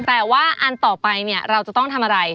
แต่ว่าอันต่อไปเนี่ยเราจะต้องทำอะไร